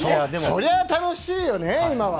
そりゃ楽しいよね、今は。